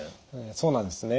そうなんですね。